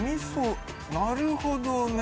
なるほどね。